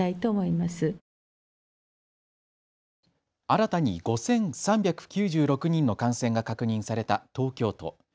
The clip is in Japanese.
新たに５３９６人の感染が確認された東京都。